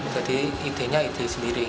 jadi idenya ide sendiri